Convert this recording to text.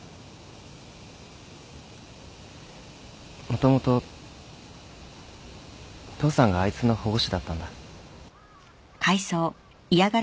もともと父さんがあいつの保護司だったんだ。